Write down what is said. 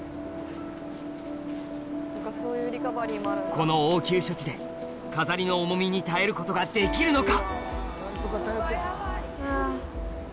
この応急処置で飾りの重みに耐えることができるのか？